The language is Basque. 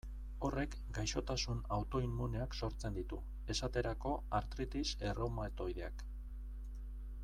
Horrek gaixotasun autoimmuneak sortzen ditu, esterako artritis erreumatoideak.